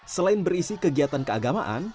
selain berisi kegiatan keagamaan